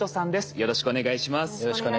よろしくお願いします。